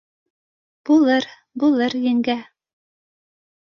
— Булыр, булыр, еңгә